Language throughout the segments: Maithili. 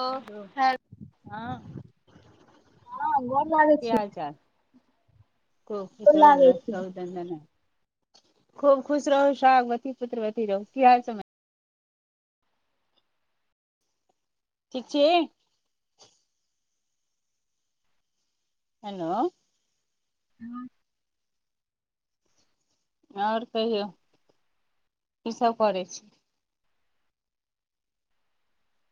ओ यौ ह हँ हँ गोर लागै की छीयै। हाल -चाल खुब खुश रहु मस्त रहु दनदनैत खुब खुश रहू, शोहागबती, पुत्रबती रहु की हाल समा ठीक छि। हेलो। हूँ। और कहियौ। की सब करै छी।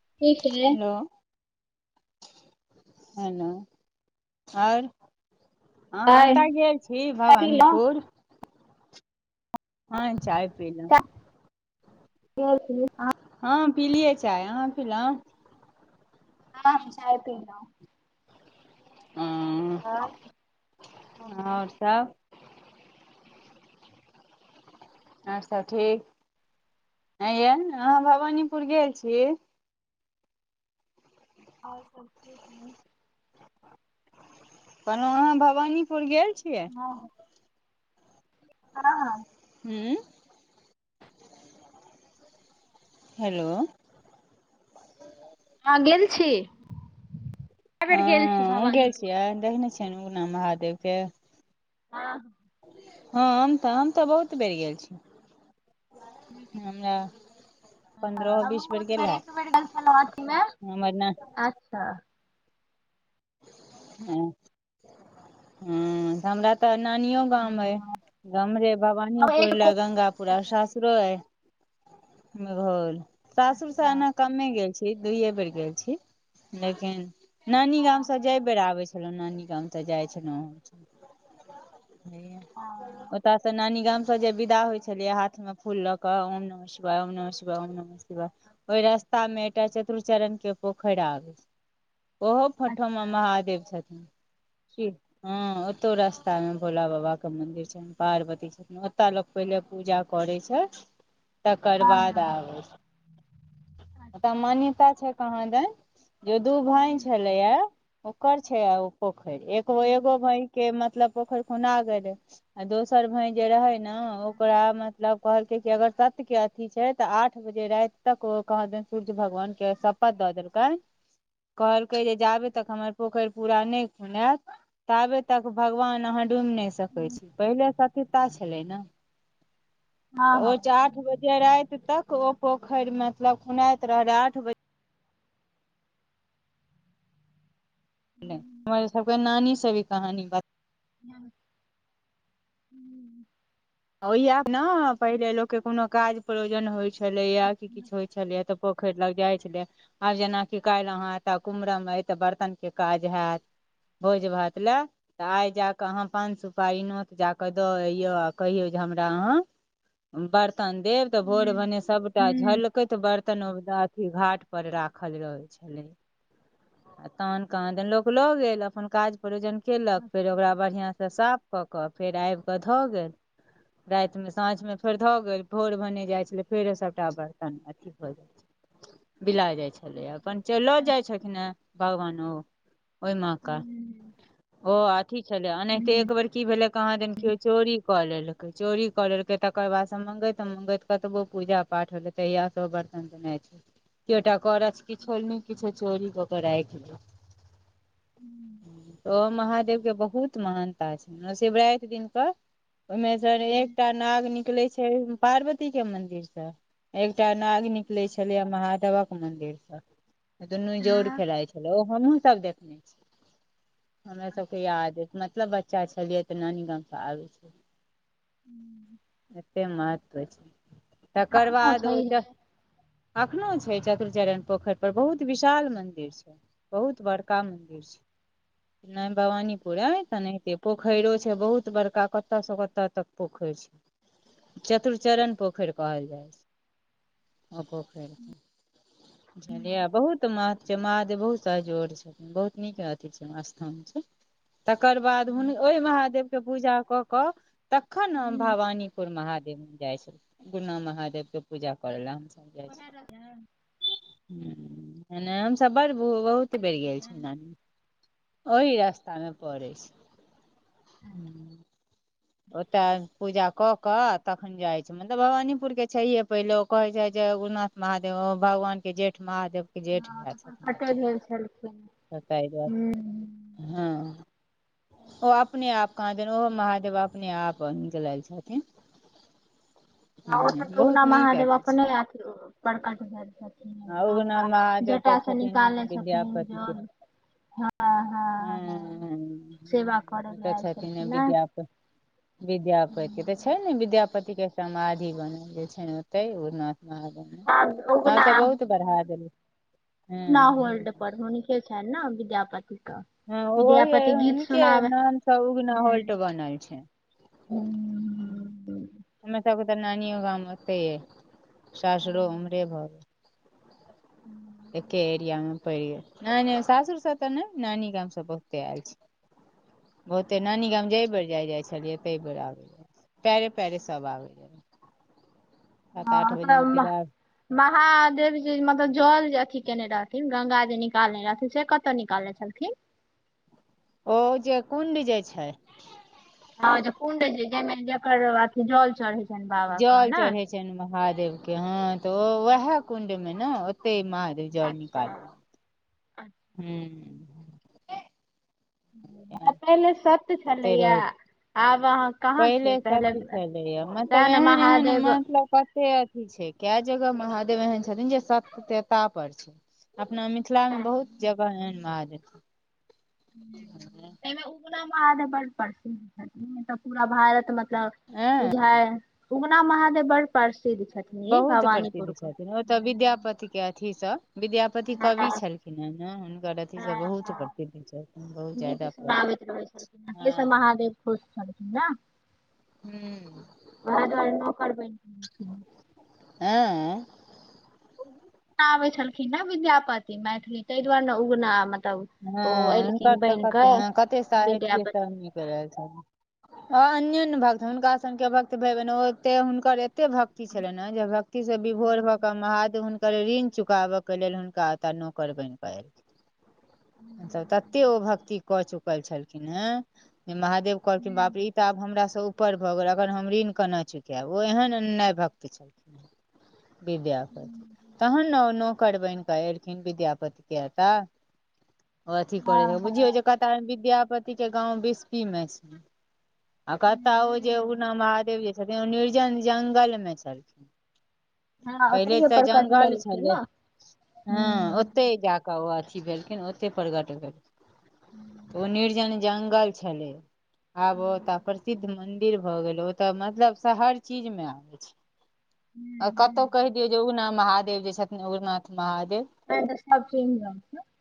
ठीक है हेलो-हेलो ओर हँ आय ओतऽ चाय गेल छी। पीलौं भवानीपुर हँ चाय पी लौ। [unintelligible] हँ हम पिलियै चाय छै। अहाँ पिलौ? ह हम चाय पीलौ। उ उ हँ और सब और सब ठीक आहाँ भवानीपुर गेल छी। और सब ठीक हैय। कहलौ आहाँ भवानीपुर गेल छियै? हँ हँ हँ। हूँ। हेलो। हँ गेल छी। [unintelligible] गेल छी भवानीपुर। [unintelligible] नैय उगना महादेव के [unintelligible] हम तऽ हम तऽ बहुत बेर गेल छी। हम नैय। त हमहुँ बहुत बेर एक बेर गेल छेलै। अथ मे हमर न अच्छा। हँ हँ हमरा तऽ नानियो गाम अैय। हाँ, गामरे हम भवानीपुर एक को लए गंगापुर आ अच्छा सासुरो अैय। मे मेघोल सासुर से हँ एना कमे गेल छी। दुआये बेर गेल छी। लेकिन हँ बेर आबै छेलौ। नानी गाम त जाय छेलौ। हँ। ओतय से नानी गाम से जे विदा होय छेलियै। हाथ में फूल ल के शिावाय, ॐ नम शिवाय, ॐ नमः शिवाय ओय रास्ता में एकटा चतुर चरण के पोखैर आबै। ओहोठ अच्छा महादेव देव छथिन। की, हॅ ओतौ रास्ता मे भोला बाबा के मंदिर छैनि। पार्वती छथिन। ओतय लोक पहिले पूजा करै छै। तकर हँ बाद हँ आबै छै। तऽ मान्यता छै। कहाँ दैइन जो दू भाईन हूँ छलैय। ओकर छै। आ ओ। पोखरि एगो- एगो भई के मतलब पोखरि खुना गेले। आ दोसर भई जे रहे ना ओकरा मतलब कहलकै कि अगर सत्य के अथी छै। तऽ आठ बजे राइत तक ओ कहाॅ दनि सूर्य भगवान के सप। पद द देलकैय कहलकै। जे जाबे तक हमर। पोखरि पूरा नहि खुनैत। ताबे तक भगवान अहाँ डूमि नहि सकै छी। पहिले सँ। किता छलै। न त हँ ओ जाठ बन। जे राति तक ओ पोखरि मे मतलब खुनाइत रहले आठ बजे। नै हमर सब के नानी सब इ कहानी बत। याहु हुं ओयैक न पहिले लोकके कोनो काज प्रयोजन होइ छलैएा। कि किछु होइत छलैए। तऽ पोखरि लग जाइ छलैया। आब जेना कि काइल अहाॅ एतह कुमरम अइ तऽ बर्तन के काज हैत। भोज भात लय तऽ आइ जााकऽ हऽम पान सुपारी नोत जाकऽ दऽ अइय। कहियौ जे हमरा अहाँ बर्तन देब तऽ भोर हुँ भने सबटा हुँ। झलकैत बर्त। तनव दासी घाट पर राखल रहै छेलइ। आ तहन कहाँ दैन लोक लऽ गेल। अपन काज प्रयोजन केयलक फेर अच्छा ओकरा बढ़िआँ सँ साफ कऽ कऽ फेर आबि। कऽ धऽ गेल। राति मे साँझ मे फेर धऽ गेल। भोर भने जाइ छलै। फेरो सभटा बर्तन अथी भऽ जाइ छै। बिला जाइ छलैय। अच्छा पंचे ल जाइ अच्छा। छलखिन हैं। भगवान ओ ओय मा का हुँ ओ आ ठीक छैलेय। आनाहिते हुँ। हुँ एक बेर की भेले। कहाँ देनौ कहियो। चोरी क लेलके चोरी कर लेलके। तकर बाद स मंगैत मंगैत कतबो। पूजा पाठ होले तहिया स बर्तन त नहि छै। कि ओटा करच कि छोलनि। किछु चोरी क क राइख लि हुँ ओ महादेव के बहुत महानता छै। शिवराइत दिनक क ओइमे स न हुँ एकटा नाग निकले छै। पार्वती के मंन्दिर सॅ? एकटा नागिन अच्छा। निकलै छलैए। महादेवक मंन्दिर सँ। दुन्नू जोर आँ। खेलाइत छलै। ओ हमहुूँ सब देखने छी। हमरा सबके याद अछि। मतलब बच्चा छलियै। तऽ नानी गाम सॅ आबै छी। [inaudible] एते महत्व अछि। तकर एखनो बाद ओ छैहे। चह। अखनो छै। चतुर चरण पोखरि पर बहुत विशाल मंदिर छै। बहुत बड़का मंदिर छै। नहि भवानीपुर अय तेनाहिते पोखैरो छै। हुँ। बहुत बड़का कतय सँ‌ बड़। ओतऽ तक पोखरि छै। चतुरचरण पोखरि कहल जाइ छै। अ खो खैरय। बुझलिया बहुत माछ छै। महादेव बहुत सह जोड़ छै। बहुत नीक आथी छै। स्थान छै। तकर बाद हुन ओहि महादेव के पूजा कऽ कऽ। तखन हम भवानीपुर महादेव जाइ छी। उगना महादेव के पुजा करै लए। हम सब जाय छी। ओहे रस्ते हँ हुं- हुं एनामस सबर भु बहुत बढ़ि गेल छै। नानी ओहि रास्ता मे पड़ै छै। ओतैय पूजा कऽ क तखन जाइ छम मतलब भवानीपुर के छैये। पहिले कहे जाय जे उग्रनाथ महादेव ओ भगवान के जेठ महादेव जेठ भए तऽ छथिन। प्रकटे भेल छलखिन। ओतह ताहि दुआरे हम्म हँ ओ अपने आ कहाँ देन ओहो महादेव अपने आप निकलल छथिन। ह ओतऽ उगना बहुत नीक महादेव अथी छै अपने अथी प्रकट भेल छथिन। आ उगना गंगा ज महादेव छटा तऽ से छथिन निकालै छथिन। विद्यापति के जल हँ-हँ-हँ हँ सेवा करय ल आय छलखिन ने। विद्यापतििके तऽ छै। ने विद्यापत के समाधि बनल जे छै। ने ओते उना उगना उगना होल्ड हँ परढ़ होनी सेछ ने विद्यापतििक? ह ओहि हुनके नामसँ उगना होॉल्ट बनल छै। हुं, हुं, हुं हमे सबके तऽ 'नानियो गाम होते है। सासुरो उमरे बहुत हूँ [unintelligible] एके एरिया मे पड़ि गेल न सासुर सब तऽ'नहि नानी ग हम सब बहुते आयल छी। ओते नानी गाम जय परर जाइ, जाइ छल त बरब जा पेरे पेरे सब आ, जा ह त [unintelligible] महादेव जी मतलब जल जे अथिी केने रहथिन गंगा जे निकालने रहथिन से कतऽ'निकालने छलथिन? ओ जे कुं्ड जे छै। हँ कुं्ड छैमे जकर अथी जल चढ़ै छै। जल चढ़े छनि महादेव के हं तऽ'ओ वएह कुण्ड। ने ओते महादेव जलनी अच्छा करल अच्छा। हू। त पहिल सत्य ओते छलैया। रहै आब अहाँ कहाँ छियै पहिले सत्य छलैएा। मतलब तें ने एहन एहन महादेव मतलब क सत अथी छै क जगह महादेव एहन छथिन जे सतता पर छै अपना मि मिथिला मे बहुत जगह ऐंन महादेव छथिन हुं अई मे उगना माद ब प्रसिद्ध छथि। तऽ' पूरा भारत मत मतलब ऐं बुझाय उगना महादेव बड़ प्रसिद्ध छै। बहुत प्रसिद्ध छथिन। ओ तऽ'विद्यापति के अथी सब विद्यापति हँ कवि छलखिन। [unintelligible] उनकर अथी सब हँ बहुत हँ प्रसिद्ध छै बहुत गीत जादा हँ। सुनाबैत रहै छलखिन ताहि से महादेव खुश छलखिन हूँ ओएह दुआरे नौकर बइंग [unintelligible] उगना आबै छलखिन ने विद्यापति मैथिली। ताहि दुआरे उगना मतलब हँ ओ हुनकर एलखिन तऽ' बनि कते, कऽ ह, कते साहित्य विद्यापति सभ नीक रहैत छल। अन्यो ने भक्त हुनका स के भक्त भेबेे हुनकर एते भक्ति छलनि ने जे। भक्त से विभोर भऽ'केऽ' महादेव हुनकर ऋण चुकाबय के लेल हुनका ओता नौकर बनि कर ऐलखिन। त तते ओ भक्ति कऽ'चुकल छलखिन। हे जे महादेव कहलखिन बाप रे हँ ई तऽ'आब हमरासँ ऊपर भऽ'गेल अगर हम ऋण केना चुकब ओ एहनन भक्त छलखिनँ। विद्यापति तहन ने ओ नौकर बनि कऽ' एलखिन विद्यापति के तऽ' अथी करै हँ छै बुझियौ जे हूँ, कत विद्यापति के गाँव बिस्फी मे छै। आ कतहु ओ जे हूँ। उगना महादेव जे छथिन ओ निर्जन ज्ंगलमे छलखिन। हँ पहिले ओतहिये तऽ' पर कट जगल लेलखिन छलै हँ ओते जााक क, ओ अथी भेलखिन ओते प्रगट भेलखिन। ओ निर्जन जंगल छलै। आब ओ त पर सिद्ध मंदिर भए गेल ‌ओतऽ'मतलब हर चीज मे आबै छै। आ कतहु ने कहि दियौ जे उगना महादेव जे छथिन उगनाथ महादेव। [unintelligible]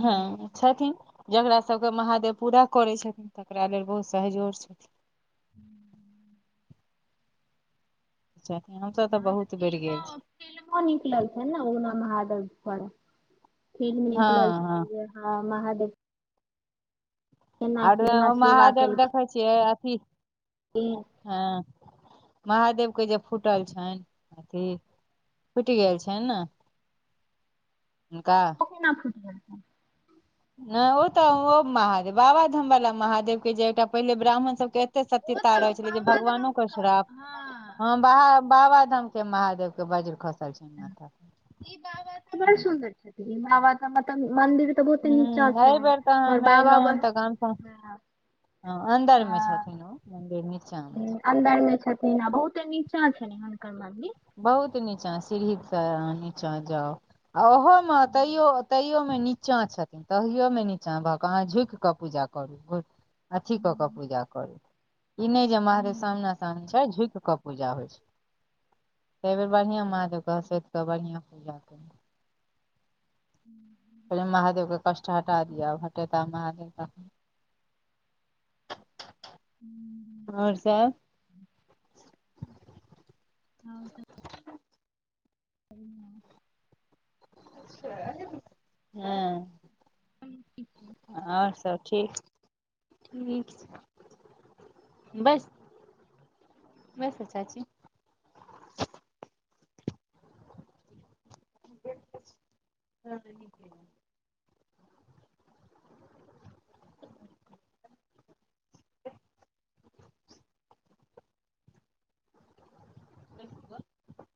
हँ। छथिन जकरा सबके महादेव पूरा करै छथिन तकरा लेल बहुत सहजोर छथिन। [unintelligible] हम सब हँ तऽ तऽ'बहुत बेर गेल फिल्मो छी। फिल्मो निकलल छै ने उगना महादेव पर फिल्म हँ निकलल हँ छलैयै। हं महादेव केना आर केना ओ सेवा महादेव देखै छियै अथी की हँ महादेव के जे फूटल छैन अथी फुइट गेल छैन ने हुनका ओ केना फुइट गेल छैन? नैय ओ तऽ ओ महादेव बाबाधामबला महादेव के जे एकटा पहिले ब्राह्मण सब के एत्ते ओ सत्यता तऽ रहै छेलै जे बाबा धाम भगवानो के कऽ श्राप हँ बहा बाबा धाम के महादेव के बज्र खसल छै माथा पर। ई बाबा तऽ बड़ सुन्दर छथिन ई बाबा तऽ मतलब मन्दिर हूँ अैय बेर तऽ हम एलौहु बड़ तऽ गाम प हँ हं अन्दर में छथिन ओ मन्दिर नीचा मे। हूं अन्दर में छथिन आ बहुते नीचा छैन हुनकर मन्दिर। बहुत नीचाँ सिढ़ी से अहां नीचाँ जाउ। आ ओहो मे तैयो- तैयो मे निच चाँ छथिन तहियोमे नीचाँ भऽ कऽ अहाँ झुइक कऽ पूजा करू। अथी कऽ कऽ हूँ पूजा करू ई नै जे महादेव हूँ सामना सामनी छैथ झुकि कऽ पूजा होय छैय। अइ बेेर बढ़िआँ महादेव के हंसोथि कऽ बढ़िआँ पूजा केल [inaudible] कहलियैन महादेवके कष्ट हटा दिय आब हटेता महादेव तहन ना। हूँ और सब [inaudible] और सब। बढ़िया हँ और सब ठीक ठीक छैय बैस बैसु चाची। [unintelligible] [unintelligible]